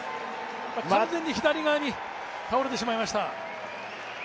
完全に左側に倒れてしまいました。